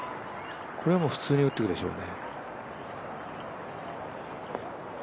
これはもう普通に打ってくでしょうね。